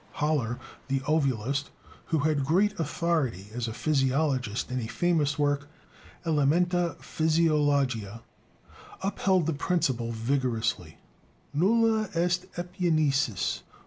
Haller, the ovulist, who had great authority as a physiologist, in a famous work, Elementa physiologiae, upheld the principle vigorously: "_Nulla est epigenesis.